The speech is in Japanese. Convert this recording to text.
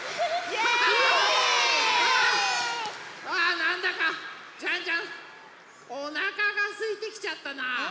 なんだかジャンジャンおなかがすいてきちゃったな。